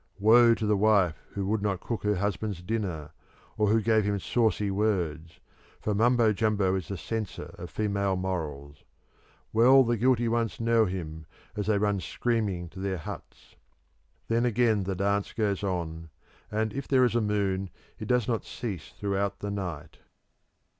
Woe to the wife who would not cook her husband's dinner, or who gave him saucy words, for Mumbo Jumbo is the censor of female morals. Well the guilty ones know him as they run screaming to their huts. Then again the dance goes on, and if there is a moon it does not cease throughout the night.